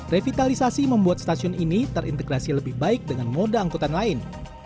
revitalisasi membuat stasiun ini terintegrasi lebih baik dengan moda angkutan lain